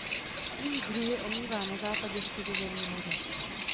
Její břehy omývá na západě Středozemní moře.